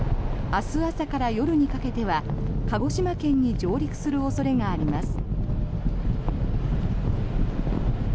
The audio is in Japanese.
明日朝から夜にかけては鹿児島県に上陸する恐れがあります。